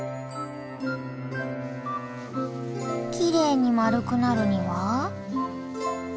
きれいに丸くなるには？